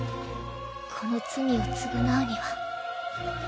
この罪を償うには。